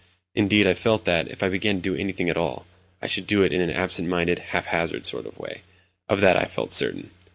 Indeed, I felt that, if I began to do anything at all, I should do it in an absent minded, haphazard sort of way—of that I felt certain.